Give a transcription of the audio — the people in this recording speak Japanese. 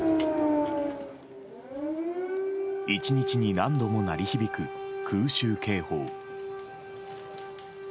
１日に何度も鳴り響く空襲警報。